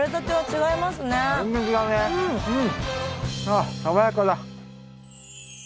あ爽やかだ。